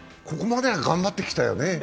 ここまでは頑張ってきたよね。